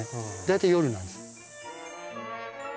大体夜なんです。